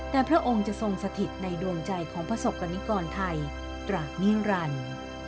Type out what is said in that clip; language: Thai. แต่พระองค์จะทรงสถิตในดวงใจของประสบกรณิกรไทยตราบนิรันดิ์